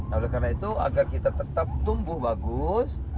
nah oleh karena itu agar kita tetap tumbuh bagus